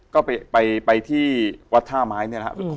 ก็ไปที่วัดท่าไม้เนี่ยนะครับ